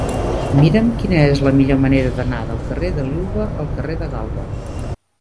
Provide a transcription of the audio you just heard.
Mira'm quina és la millor manera d'anar del carrer de Liuva al carrer de Galba.